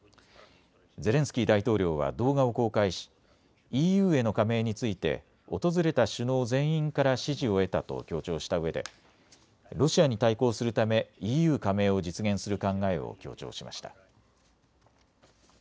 ゼレンスキー大統領は動画を公開しＥＵへの加盟について訪れた首脳全員から支持を得たと強調したうえでロシアに対抗するためＥＵ加盟を実現する考えを強調しました。